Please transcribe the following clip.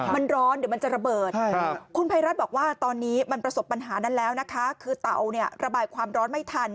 มันร้อนเดี๋ยวมันจะระเบิดคุณภัยรัฐบอกว่าตอนนี้มันประสบปัญหานั้นแล้วนะคะคือเตาเนี่ยระบายความร้อนไม่ทัน